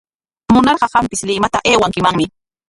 Munarqa qampis Limata aywankimanmi.